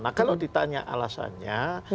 nah kalau ditanya alasannya